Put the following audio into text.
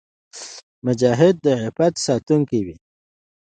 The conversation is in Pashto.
مجاهد د عفت ساتونکی وي.